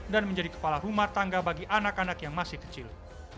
dan menjadi kepala rumah tangga bagi anak anak yang masih kecil